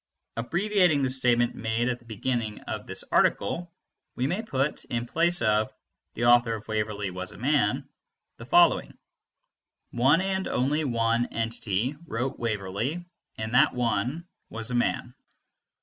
Abbreviating the statement made at the beginning of this article, we may put, in place of "the author of Waverley was a man," the following: "One and only one entity wrote Waverley, and that one was a man."